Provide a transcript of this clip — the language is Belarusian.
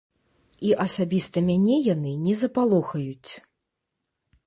І асабіста мяне яны не запалохаюць.